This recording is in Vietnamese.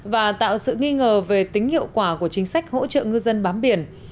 và tạo sự nghi ngờ về tính hiệu quả của chính sách hỗ trợ ngư dân bám biển